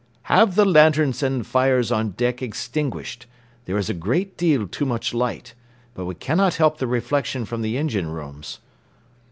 "Have the lanterns and the fires on deck extinguished; there is a great deal too much light, but we cannot help the reflection from the engine rooms."